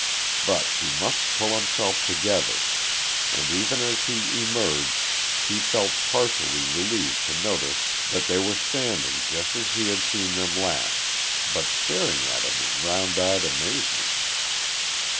But he must pull himself together, and even as he emerged he felt partially relieved to notice that they were standing just as he had seen them last, but staring at him in round eyed amazement.